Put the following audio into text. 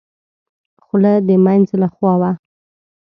خوله د مينځ له خوا وه.